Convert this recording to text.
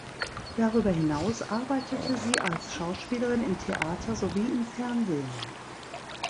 Darüber hinaus arbeitete sie als Schauspielerin im Theater sowie im Fernsehen.